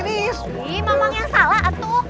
ini memang yang salah tuh